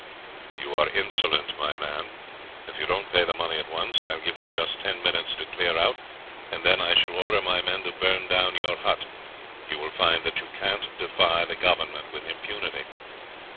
"You are insolent, my man. If you don't pay the money at once I'll give you just ten minutes to clear out, and then I shall order my men to burn down your hut. You will find that you can't defy the Government with impunity."